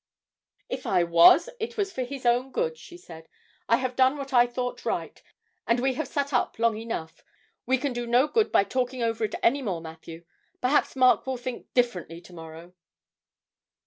'If I was, it was for his good,' she said; 'I have done what I thought right, and we have sat up long enough. We can do no good by talking over it any more, Matthew. Perhaps Mark will think differently to morrow.'